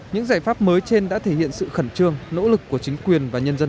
những giải pháp mới trên đã thể hiện sự khẩn trương nỗ lực của chính quyền và nhân dân